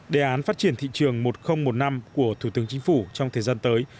đề án phát triển thị trường một nghìn một mươi năm của thủ tướng chính phủ trong thời gian tới